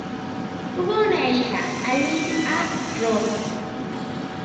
Tuvo una hija, Alia Rose.